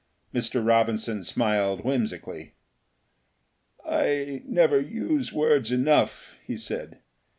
Mr. Robinson smiled whimsically. "I never use words enough," he said.